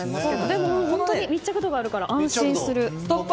でも、本当に密着度があるから安心する。